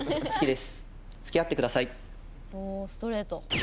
おおストレート。